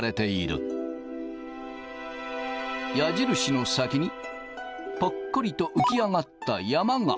矢印の先にぽっこりと浮き上がった山が。